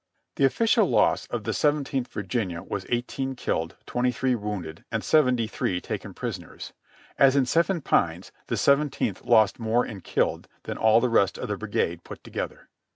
'' The official loss of the Seventeenth Virginia was 18 killed, 23 wounded and '/'^ taken prisoners ; as in Seven Pines, the Seven teenth lost more in killed than all the rest of the brigade put together.